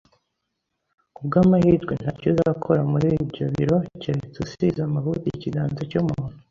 Kubwamahirwe, ntacyo uzakora muri ibyo biro keretse usize amavuta ikiganza cyumuntu.